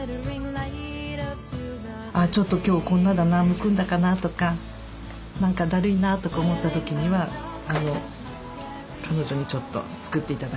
ちょっと今日こんなだなむくんだかなとか何かだるいなとか思った時には彼女にちょっと作って頂いたのを飲んだり。